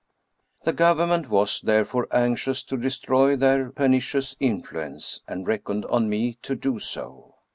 The government was, therefore, anxious to destroy their pernicious influence, and reckoned on me to do so.